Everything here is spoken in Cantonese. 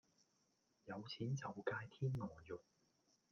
有錢就界天鵝肉